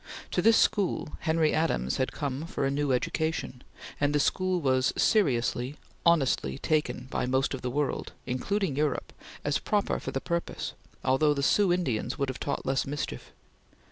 To this school, Henry Adams had come for a new education, and the school was seriously, honestly, taken by most of the world, including Europe, as proper for the purpose, although the Sioux Indians would have taught less mischief.